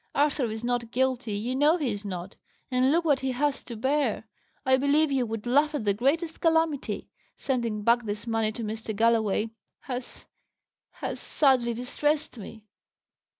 Arthur is not guilty; you know he is not. And look what he has to bear! I believe you would laugh at the greatest calamity! Sending back this money to Mr. Galloway has has sadly distressed me."